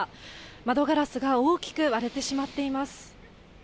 窓ガラスが大きく割れてしまっています。